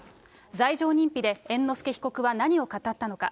罪状認否で猿之助被告は何を語ったのか。